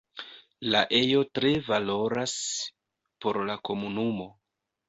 La ejo tre valoras por la komunumo.